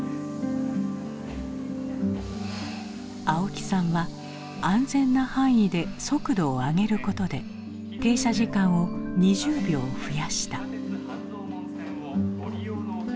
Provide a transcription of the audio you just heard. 青木さんは安全な範囲で速度を上げることで停車時間を２０秒増やした。